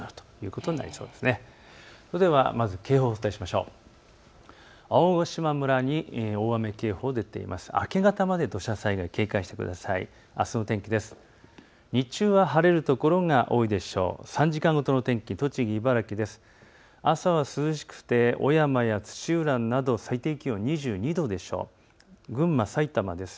あすの天気です。